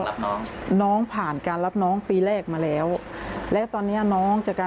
รับน้องน้องผ่านการรับน้องปีแรกมาแล้วแล้วตอนเนี้ยน้องจากการ